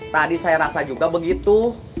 tadi saya rasa juga begitu